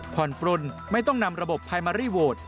ผ่อนปลนไม่ต้องนำระบบพายมารี่โหวต